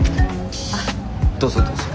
どうぞどうぞ。